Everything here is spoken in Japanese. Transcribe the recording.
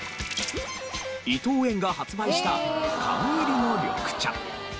伊藤園が発売した缶入りの緑茶。